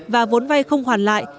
và vốn vay không hoàn lại